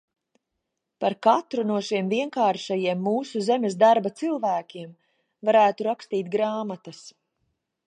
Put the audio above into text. Par katru no šiem vienkāršajiem mūsu zemes darba cilvēkiem varētu rakstīt grāmatas.